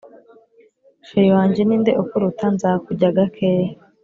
Cheri wanjye ninde ukuruta nzakujya gakeya